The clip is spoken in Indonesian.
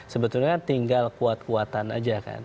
sebetulnya tinggal kuat kuatan aja kan